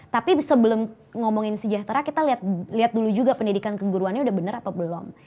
tapi sebelum ngomongin sejahtera kita lihat dulu juga pendidikan keguruannya udah benar atau belum